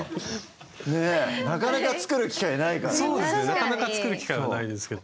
なかなか作る機会はないですけど。